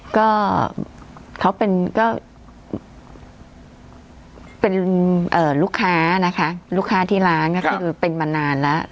ก็เขาเป็นก็เป็นลูกค้านะคะลูกค้าที่ร้านก็คือเป็นมานานแล้ว